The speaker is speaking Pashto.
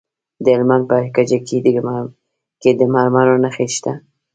د هلمند په کجکي کې د مرمرو نښې شته.